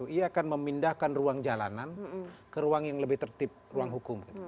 ia akan memindahkan ruang jalanan ke ruang yang lebih tertib ruang hukum